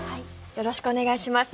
よろしくお願いします。